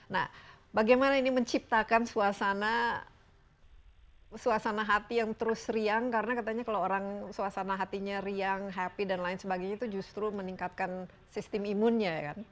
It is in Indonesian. nah bagaimana ini menciptakan suasana hati yang terus riang karena katanya kalau orang suasana hatinya riang happy dan lain sebagainya itu justru meningkatkan sistem imunnya kan